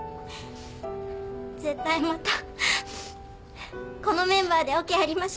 絶対またこのメンバーでオケやりましょうね。